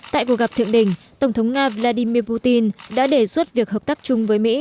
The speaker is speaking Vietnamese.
tại cuộc gặp thượng đỉnh tổng thống nga vladimir putin đã đề xuất việc hợp tác chung với mỹ